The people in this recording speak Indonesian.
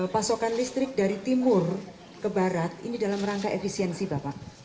pasokan listrik dari timur ke barat ini dalam rangka efisiensi bapak